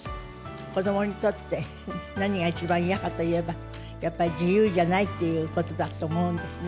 子どもにとって、何が一番嫌かといえば、やっぱり自由じゃないっていうことだと思うんですね。